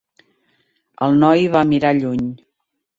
El noi va mirar lluny.